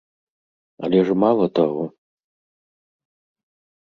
Але ж мала таго.